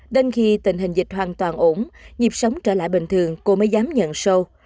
đến khi tình hình dịch hoàn toàn ổn nhịp sống trở lại bình thường cô mới dám nhận sâu